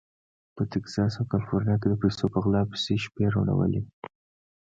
په تګزاس او کالیفورنیا کې د پیسو په غلا پسې شپې روڼولې.